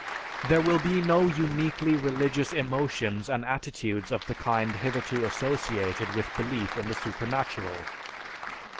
"There will be no uniquely religious emotions and attitudes of the kind hitherto associated with belief in the supernatural.